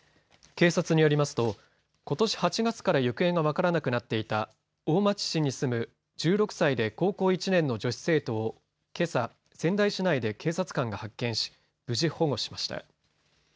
警察によりますとことし８月から行方が分からなくなっていた大町市に住む１６歳で高校１年の女子生徒をけさ仙台市内で警察官が発見し無事保護しました。